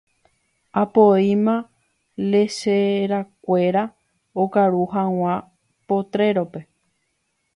Apoíma lecherakuéra okaru hag̃ua potrero-pe.